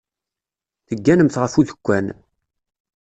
Tegganemt ɣef udekkan.